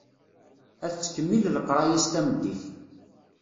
Ad tettkemmil leqraya-s tameddit.